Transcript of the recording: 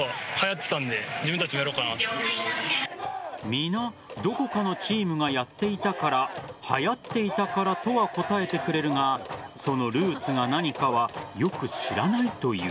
皆、どこかのチームがやっていたからはやっていたからとは答えてくれるがそのルーツが何かはよく知らないという。